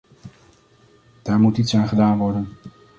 Daar moet iets aan gedaan worden.